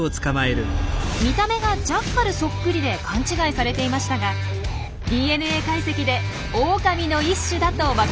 見た目がジャッカルそっくりで勘違いされていましたがＤＮＡ解析でオオカミの一種だとわかったんです。